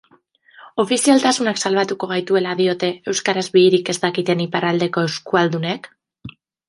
Ofizialtasunak salbatuko gaituela diote euskaraz bihirik ez dakiten iparraldeko euskualdunek?